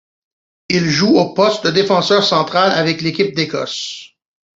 Il joue au poste de défenseur central avec l'équipe d'Écosse.